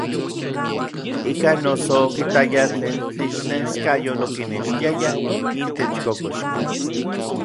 Ikan noso okitaya tlen tlixneskayotl okinextiaya intech kokoxkej.